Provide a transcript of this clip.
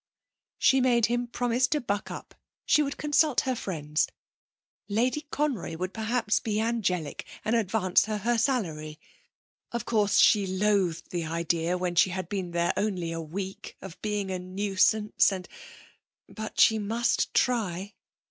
She made him promise to buck up, she would consult her friends.... Lady Conroy would perhaps be angelic and advance her her salary. (Of course she loathed the idea when she had been there only a week of being a nuisance and But she must try.)